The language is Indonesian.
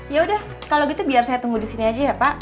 yaudah kalau gitu biar saya tunggu disini aja ya pak